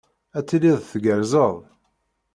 Ad tiliḍ tgerrzeḍ.